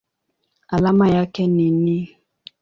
Alama yake ni Ni.